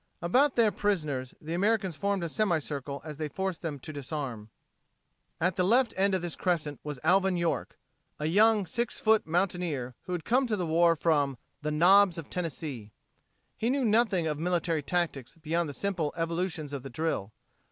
About their prisoners the Americans formed in a semicircle as they forced them to disarm. At the left end of this crescent was Alvin York a young six foot mountaineer, who had come to the war from "The Knobs of Tennessee." He knew nothing of military tactics beyond the simple evolutions of the drill.